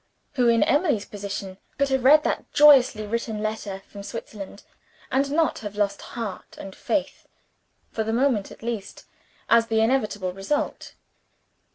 Who, in Emily's position, could have read that joyously written letter from Switzerland, and not have lost heart and faith, for the moment at least, as the inevitable result?